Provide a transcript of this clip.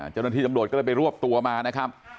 เจ้าหน้าที่ตำรวจก็เลยไปรวบตัวมานะครับ